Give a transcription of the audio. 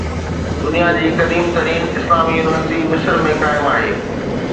دنيا جي قديم ترين اسلامي يونيورسٽي مصر ۾ قائم آهي